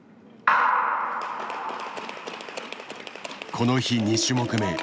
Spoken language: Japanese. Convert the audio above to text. この日２種目目。